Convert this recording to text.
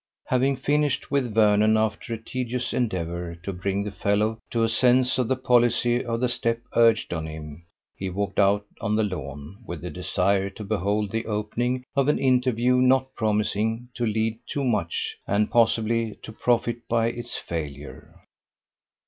Having finished with Vernon, after a tedious endeavour to bring the fellow to a sense of the policy of the step urged on him, he walked out on the lawn with the desire to behold the opening of an interview not promising to lead to much, and possibly to profit by its failure.